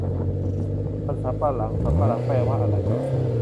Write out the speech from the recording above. มันสำปะหลัง สำปะหลังแปลว่าอะไร